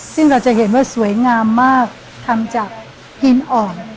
ซึ่งเราจะเห็นว่าสวยงามมากทำจากหินอ่อน